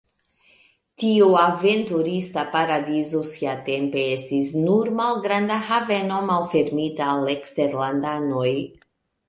Tiu aventurista paradizo siatempe estis nur malgranda haveno malfermita al eksterlandanoj.